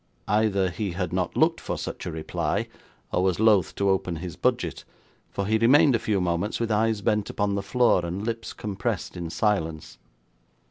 Either he had not looked for such a reply, or was loath to open his budget, for he remained a few moments with eyes bent upon the floor, and lips compressed in silence.